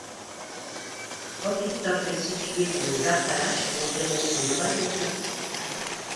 Rocky Top est située dans les Appalaches à environ au nord-est de Knoxville.